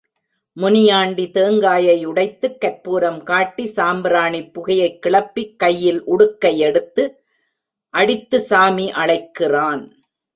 முனியாண்டி தேங்காயை உடைத்துக் கற்பூரம் காட்டி சாம்பிராணிப் புகையைக் கிளப்பிக் கையில் உடுக்கை யெடுத்து அடித்து சாமி அழைக்கிறான்.